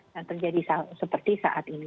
yang terjadi seperti saat ini